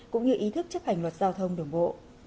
cũng như ý thức chấp hành luật giao thông đường bộ